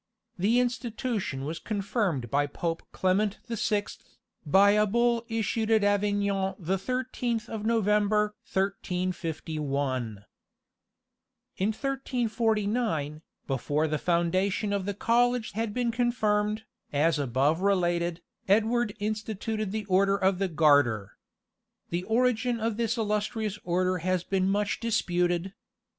The institution was confirmed by Pope Clement the Sixth, by a bull issued at Avignon the 13th of November 1351. In 1349, before the foundation of the college had been confirmed, as above related, Edward instituted the Order of the Garter. The origin of this illustrious Order has been much disputed.